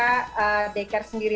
jadi saya bisa membuka daycare sendiri